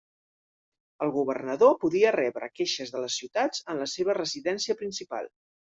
El governador podia rebre queixes de les ciutats en la seva residència principal.